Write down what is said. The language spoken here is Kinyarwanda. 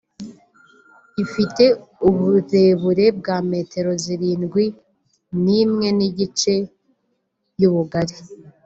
ifite uburebure bwa metero zirindwi n’imwe n’igice y’ubugari